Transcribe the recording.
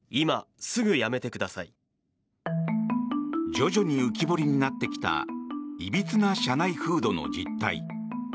徐々に浮き彫りになってきたいびつな社内風土の実態。